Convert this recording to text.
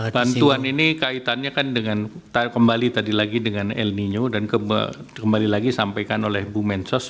bantuan ini kaitannya kan dengan kembali tadi lagi dengan el nino dan kembali lagi sampaikan oleh bu mensos